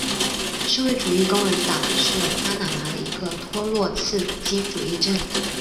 社会主义工人党是巴拿马的一个托洛茨基主义政党。